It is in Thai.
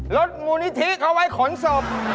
รถมูนิธีเขาไว้ขนสบ